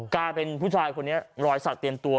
กลายเป็นผู้ชายคนนี้รอยสักเตรียมตัว